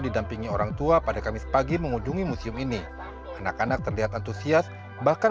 didampingi orang tua pada kamis pagi mengunjungi museum ini anak anak terlihat antusias bahkan